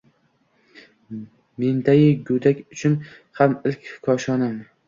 Mendai gudak uchun xam ilk koshonam